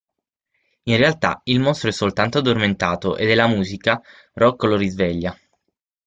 In realtà, il mostro è soltanto addormentato e della musica rock lo risveglia.